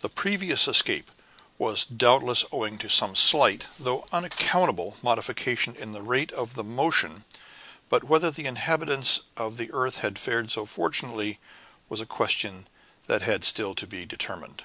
The previous escape was doubtless owing to some slight, though unaccountable, modification in the rate of motion; but whether the inhabitants of the earth had fared so fortunately, was a question that had still to be determined.